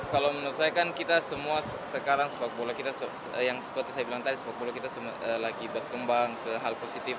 kalau menurut saya kan kita semua sekarang sepak bola kita yang seperti saya bilang tadi sepak bola kita lagi berkembang ke hal positif